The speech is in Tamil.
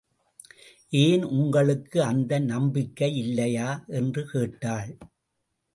ஏன் உங்களுக்கு அந்த நம்பிக்கை இல்லையா? என்று கேட்டாள்.